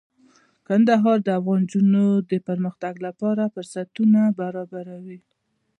کندهار د افغان نجونو د پرمختګ لپاره فرصتونه برابروي.